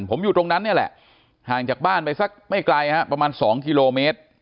ผมอยู่ตรงนั้นเนี่ยแหละห่างจากบ้านไปสักไม่ไกลฮะประมาณ๒กิโลเมตร